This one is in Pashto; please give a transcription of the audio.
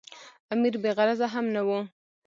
امیر بې غرضه هم نه وو.